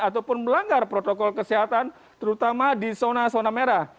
ataupun melanggar protokol kesehatan terutama di zona zona merah